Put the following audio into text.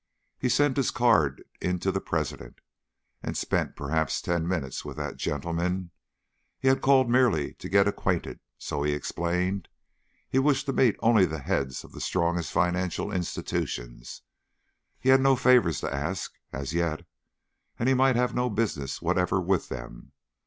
He sent his card in to the president, and spent perhaps ten minutes with that gentleman. He had called merely to get acquainted, so he explained; he wished to meet only the heads of the strongest financial institutions; he had no favors to ask as yet, and he might have no business whatever with them.